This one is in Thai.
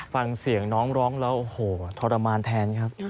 ฟังเสียงน้องร้องแล้วโอ้โหทรมานแทนครับ